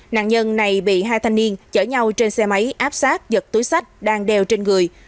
nạn nhân này bị hai thanh niên chở nhau trên xe máy áp sát giật túi sách đang đeo trên người